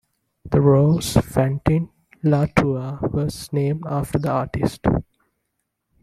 The rose 'Fantin-Latour' was named after the artist.